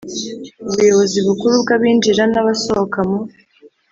Ubuyobozi bukuru bw abinjira n abasohoka mu